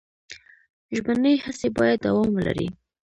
ژبنۍ هڅې باید دوام ولري.